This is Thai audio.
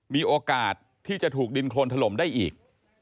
มีโอกาสที่จะถูกดินโครนถล่มได้อีก